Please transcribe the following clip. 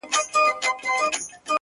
دغه رنگينه او حسينه سپوږمۍ!!